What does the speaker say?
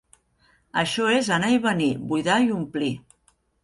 Això és anar i venir, buidar i omplir.